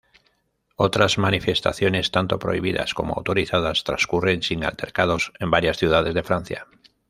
Otras manifestaciones, tanto prohibidas como autorizadas, transcurren sin altercados en varias ciudades de Francia.